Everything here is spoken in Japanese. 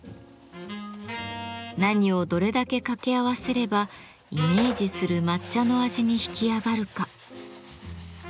何をどれだけ掛け合わせればイメージする抹茶の味に引き上がるか。